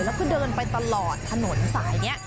แล้วเค้าเดินไปตลอดถนนสายเนี้ย